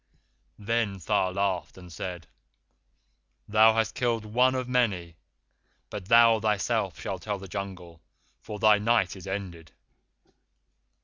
"Then Tha laughed, and said: 'Thou hast killed one of many, but thou thyself shalt tell the Jungle for thy Night is ended.